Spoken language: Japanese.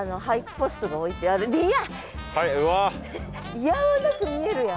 いやおうなく見えるやん。